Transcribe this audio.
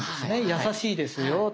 優しいですよと。